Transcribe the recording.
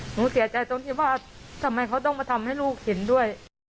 หนูเสียใจตรงที่ว่าทำไมเขาต้องมาทำให้ลูกเห็นด้วย